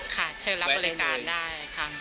ค่ะเชิญรับบริการได้ครับ